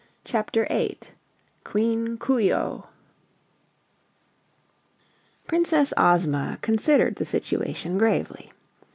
Chapter Eight Queen Coo ee oh Princess Ozma considered the situation gravely.